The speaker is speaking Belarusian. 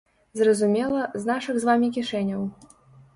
Зразумела, з нашых з вамі кішэняў.